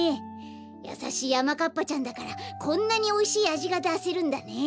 やさしいあまかっぱちゃんだからこんなにおいしいあじがだせるんだね。